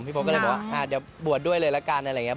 โพสต์ก็เลยบอกว่าเดี๋ยวบวชด้วยเลยละกันอะไรอย่างนี้